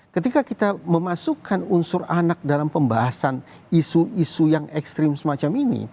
ketika kita memasukkan unsur anak dalam pembahasan isu isu yang ekstrim semacam ini